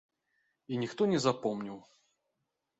І ніхто не запомніў.